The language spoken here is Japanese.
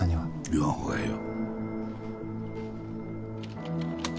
言わん方がええよ。